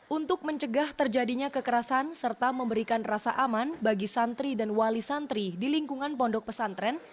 untuk mencegah terjadinya kekerasan serta memberikan rasa aman bagi santri dan wali santri di lingkungan pondok pesantren